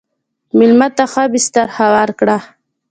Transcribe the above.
مېلمه ته ښه بستر هوار کړه.